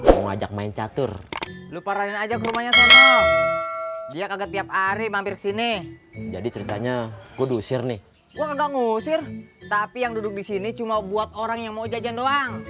mau ngajak main catur tarian aja durut india enggak ngusir keduk di sini cuma buat orang yang mau